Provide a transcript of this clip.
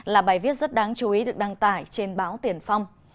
là bài viết rất đáng chú ý được đăng tải trên báo tiền phong